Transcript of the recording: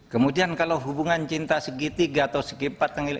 kemudian kalau hubungan cinta segitiga atau segi empat